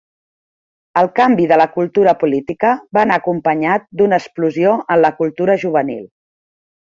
El canvi de la cultura política va anar acompanyat d'una explosió en la cultura juvenil.